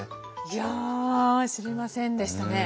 いや知りませんでしたね。